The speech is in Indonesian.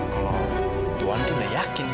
kalau tuhan tuh gak yakin